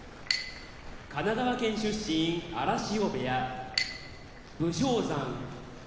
神奈川県出身荒汐部屋武将山